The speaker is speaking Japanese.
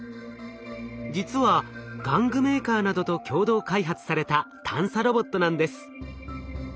実は玩具メーカーなどと共同開発された探査ロボットなんです。